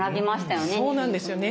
そうなんですよね。